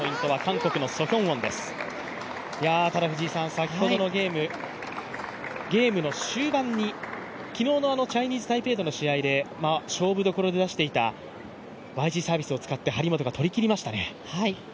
先ほどのゲームの終盤に昨日のチャイニーズ・タイペイとの試合で勝負どころで出していたＹＧサービスを使って張本が取りましたね。